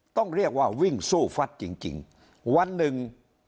ต้องเรียกว่าวิ่งสู้ฟัดจริงจริงวันหนึ่ง